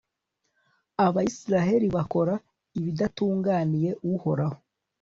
abayisraheli bakora ibidatunganiye uhoraho